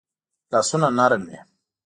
لاسونه نرم وي